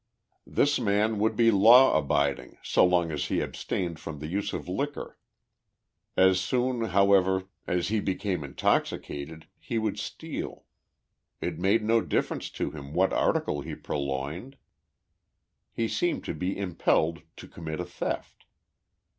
This man would be law abiding so long as he abstained from the use of liquor. As soon, however, as he became intoxicated he would steal. It made no difference to him what article he pur loined. lie seemed to be impelled to commit a theft.